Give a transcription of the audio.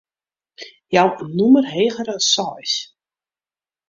Jou in nûmer heger as seis.